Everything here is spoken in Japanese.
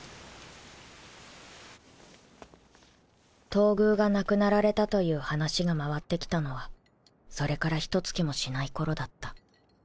東宮が亡くなられたという話が回ってきたのはそれからひと月もしない頃だった